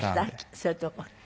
そういうとこって。